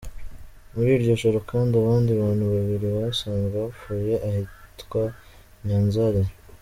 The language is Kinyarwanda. Muri iryo joro kandi abandi bantu babiri basanzwe bapfuye ahitwa Nyanzale.